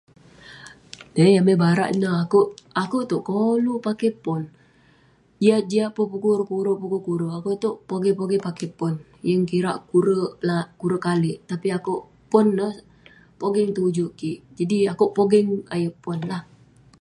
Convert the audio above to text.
Dai, amai barak ineh..akouk, akouk itouk koluk pakey pon..jiak jiak peh pukon kurek pukon kurek, akouk itouk pogeng pogeng pakey pon, yeng kirak kurek kalik, tapi akouk..pon neh pogeng tong ujuk kik, jadi akouk pogeng ayuk pon lah